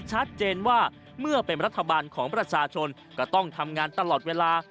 ชัดเจนว่าเมื่อเป็นรัฐบาลของประชาชนก็ต้องทำงานตลอดเวลา